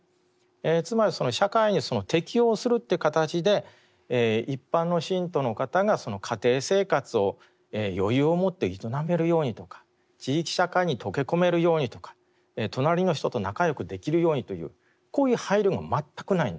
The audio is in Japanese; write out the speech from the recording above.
つまり社会に適応するっていう形で一般の信徒の方が家庭生活を余裕をもって営めるようにとか地域社会に溶け込めるようにとか隣の人と仲よくできるようにというこういう配慮が全くないんです。